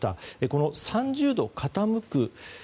この３０度傾く。